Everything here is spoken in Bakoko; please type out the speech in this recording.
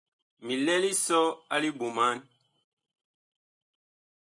Mi lɛ lisɔ a liɓoman.